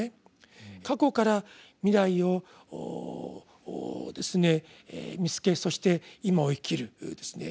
過去から未来を見つけそして今を生きる。